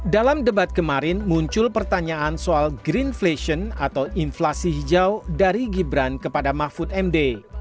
dalam debat kemarin muncul pertanyaan soal green flation atau inflasi hijau dari gibran kepada mahfud md